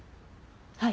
はい。